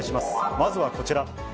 まずはこちら。